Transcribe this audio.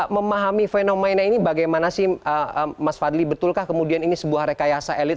memahami fenomena ini bagaimana sih mas fadli betulkah kemudian ini sebuah rekayasa elit